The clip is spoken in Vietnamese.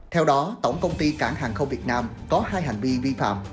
theo đó tổng công ty cảng hàng không việt nam có hai hành vi vi phạm